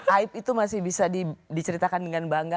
aib itu masih bisa diceritakan dengan bangga